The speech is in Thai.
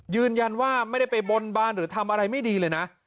ยืนยันว่าไม่ได้ไปบนบานหรือทำอะไรไม่ดีเลยนะ